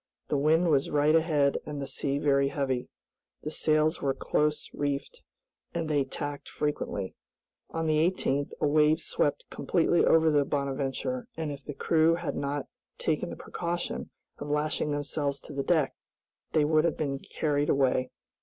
The wind was right ahead and the sea very heavy. The sails were close reefed, and they tacked frequently. On the 18th, a wave swept completely over the "Bonadventure"; and if the crew had not taken the precaution of lashing themselves to the deck, they would have been carried away.